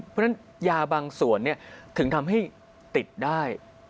เพราะฉะนั้นยาบางส่วนถึงทำให้ติดได้